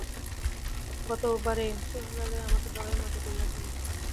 গতবারে শ্বশুরালয়ে আমাকে বড়ই মাটি করিয়াছিল?